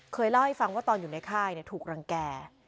เล่าให้ฟังว่าตอนอยู่ในค่ายถูกรังแก่